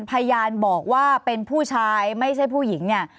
พยานบอกว่าเป็นผู้ชายไม่ใช่ผู้หญิงเนี่ย